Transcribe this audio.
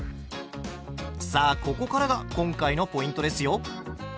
さあここからが今回のポイントですよ。